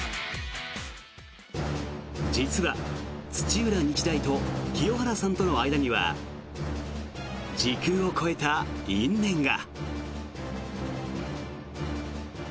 実は土浦日大と清原さんとの間には時空を超えた因縁が。